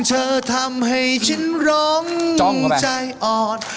เธอทำให้ฉันร้องใจอ่อน